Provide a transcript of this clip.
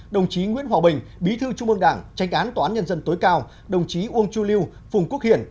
đồng chí nguyễn hòa bình bí thư trung ương đảng tránh án toán nhân dân tối cao đồng chí uông chu lưu phùng quốc hiển